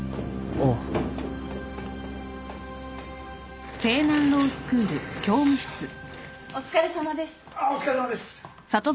ああお疲れさまです。